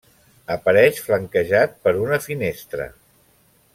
Apareix flanquejat per una finestra.